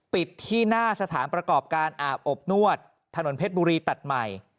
ปิดที่หน้าสถานประกอบการอาบอบนวดถนนเพชรบุรีตัดใหม่